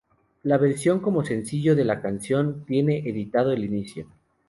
La versión como sencillo de la canción tiene editado el inicio.